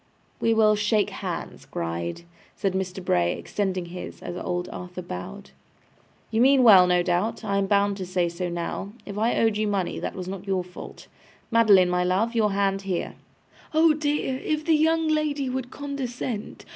'We will shake hands, Gride,' said Mr. Bray, extending his, as old Arthur bowed. 'You mean well, no doubt. I am bound to say so now. If I owed you money, that was not your fault. Madeline, my love, your hand here.' 'Oh dear! If the young lady would condescent!